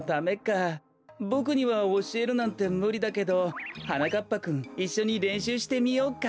ボクにはおしえるなんてむりだけどはなかっぱくんいっしょにれんしゅうしてみようか？